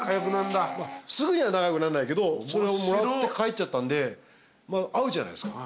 すぐには仲良くなんないけどそれをもらって帰っちゃったんで会うじゃないっすか？